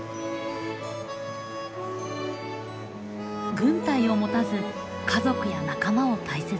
軍隊を持たず家族や仲間を大切に。